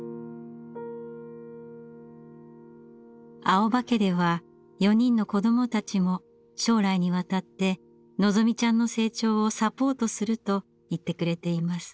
青葉家では４人の子どもたちも将来にわたってのぞみちゃんの成長をサポートすると言ってくれています。